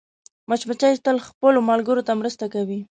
مچمچۍ تل خپلو ملګرو ته مرسته کوي